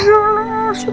syukur ya sayang